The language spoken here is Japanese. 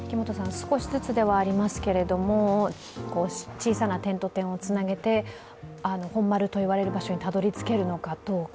少しずつではありますけれども、小さな点と点をつなげて本丸といわれる場所にたどり着けるのかどうか。